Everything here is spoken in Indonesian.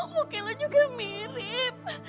mungkin lo juga mirip